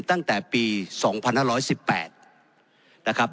ตั้งแต่ปี๒๕๑๘นะครับ